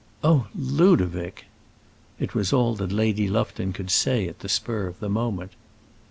"Oh, Ludovic!" It was all that Lady Lufton could say at the spur of the moment.